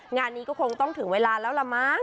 งานนี้ก็คงต้องถึงเวลาแล้วล่ะมั้ง